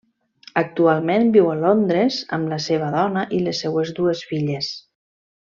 Actualment viu a Londres amb la seva dona i les seves dues filles.